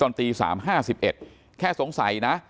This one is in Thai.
ตอนตี๓๕๑แค่สงสัยนะ